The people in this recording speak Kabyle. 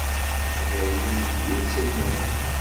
Iqbayliyen d inselmen.